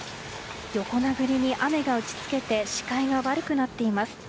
横殴りに雨が打ち付けて視界が悪くなっています。